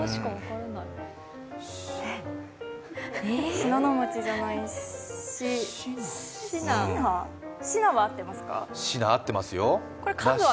信濃町じゃないししなは合ってますよ。